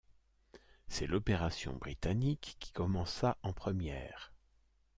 C'est l'opération britannique qui commença en première.